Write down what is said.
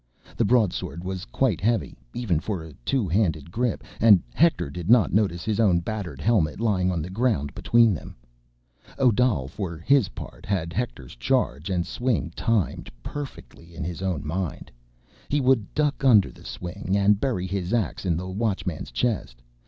The broadsword was quite heavy, even for a two handed grip. And Hector did not notice his own battered helmet laying on the ground between them. Odal, for his part, had Hector's charge and swing timed perfectly in his own mind. He would duck under the swing and bury his ax in the Watchman's chest.